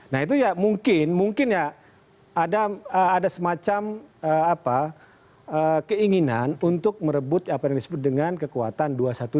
nah itu ya mungkin mungkin ya ada semacam keinginan untuk merebut apa yang disebut dengan kekuatan dua ratus dua belas